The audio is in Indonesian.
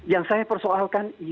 yang saya persoalkan itu